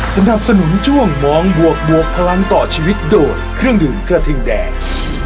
สนับสนุนช่วงมองบวกบวกพลังต่อชีวิตโดยเครื่องดื่มกระทิงแดง